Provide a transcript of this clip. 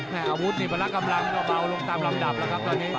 อาวุธนี่พละกำลังก็เบาลงตามลำดับแล้วครับตอนนี้